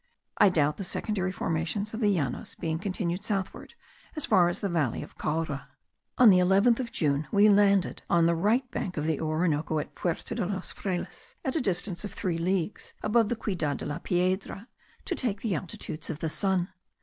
I doubt the secondary formations of the Llanos being continued southward as far as the valley of Caura. On the 11th of June we landed on the right bank of the Orinoco at Puerto de los Frailes, at the distance of three leagues above the Ciudad de la Piedra, to take altitudes of the sun.